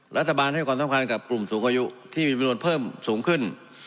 รัฐบาลให้ความสำคัญกับกลุ่มสูงอายุที่มีจำนวนเพิ่มสูงขึ้น